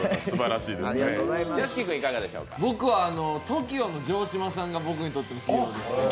僕はＴＯＫＩＯの城島さんが僕にとってのスターです。